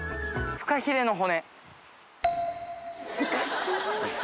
フカヒレの骨？